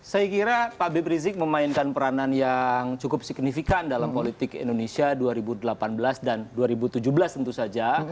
saya kira pak brizik memainkan peranan yang cukup signifikan dalam politik indonesia dua ribu delapan belas dan dua ribu tujuh belas tentu saja